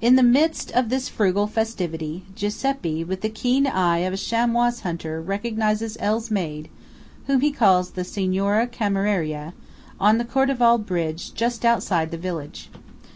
In the midst of this frugal festivity, Giuseppe, with the keen eye of a chamois hunter, recognises L.'s maid (whom he calls the "Signora Cameriera") on the Cordevole bridge just outside the village.